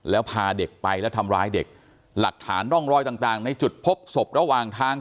แล้วพาเด็กไปแล้วทำร้ายเด็กหลักฐานร่องรอยต่างในจุดพบศพระหว่างทาง